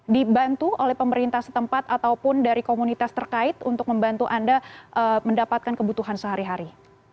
dibantu oleh pemerintah setempat ataupun dari komunitas terkait untuk membantu anda mendapatkan kebutuhan sehari hari